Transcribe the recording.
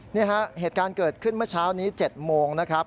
นี่ฮะเหตุการณ์เกิดขึ้นเมื่อเช้านี้๗โมงนะครับ